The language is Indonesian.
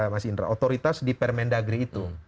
mas indra otoritas di permendagri itu